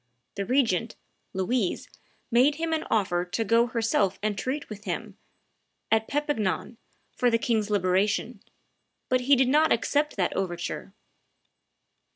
The regent, Louise, made him an offer to go herself and treat with him, at Perpignan, for the king's liberation; but he did not accept that overture.